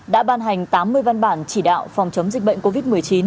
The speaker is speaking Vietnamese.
đã ban hành tám mươi văn bản chỉ đạo phòng chống dịch bệnh covid một mươi chín